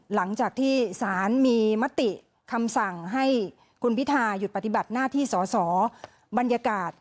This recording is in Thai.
หลังจากที่สารมีมติคำสั่งให้คุณพิทาหยุดปฏิบัติหน้าที่สอสอบรรยากาศ